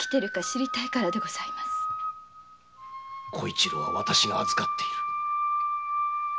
小一郎はわたしが預かっている。